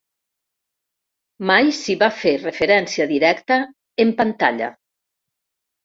Mai s'hi va fer referència directa en pantalla.